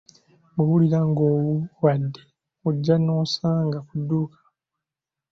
Bw'owulira ng'owuubadde ojja n'onsanga ku dduuka.